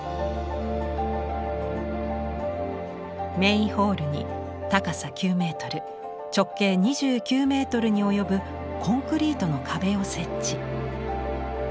メインホールに高さ９メートル直径２９メートルに及ぶコンクリートの壁を設置。